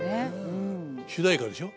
主題歌でしょ？